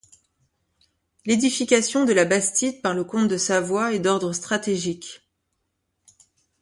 L'édification de la bastide par le comte de Savoie est d'ordre stratégique.